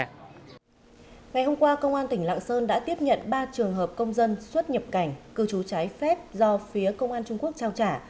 ngày hôm qua công an tỉnh lạng sơn đã tiếp nhận ba trường hợp công dân xuất nhập cảnh cư trú trái phép do phía công an trung quốc trao trả